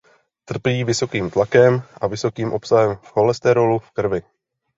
Trpí vysokým tlakem a vysokým obsahem cholesterolu v krvi.